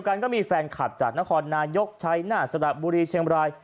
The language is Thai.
ก็มีแฟนคาตจากหน้าคอนนายกชัยนาสตราบุรีเชมรัย